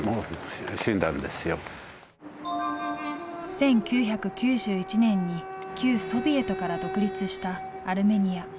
１９９１年に旧ソビエトから独立したアルメニア。